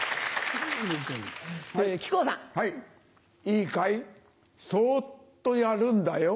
いいかいそっとやるんだよ。